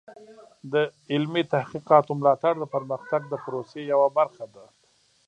د علمي تحقیقاتو ملاتړ د پرمختګ د پروسې یوه برخه ده.